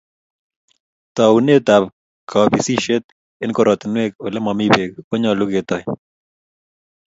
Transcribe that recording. Taunet ab kapisishet eng koratinwek ole mami beek ko nyalu ketoy